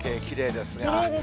きれいですね。